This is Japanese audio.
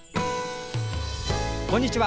こんにちは。